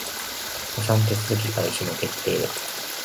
破産手続開始の決定